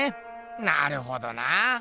なるほどな！